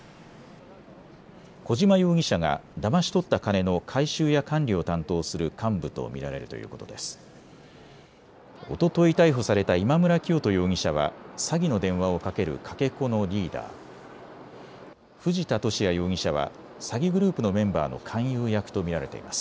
小島容疑者がだまし取った金の回収や管理を担当する幹部と見られるということです。